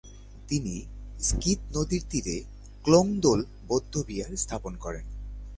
তিনি স্ক্যিদ নদীর তীরে ক্লোং-র্দোল বৌদ্ধবিহার স্থাপন করেন।